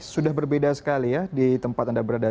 sudah berbeda sekali ya di tempat anda berada